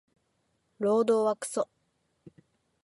労働はクソ